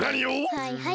はいはい。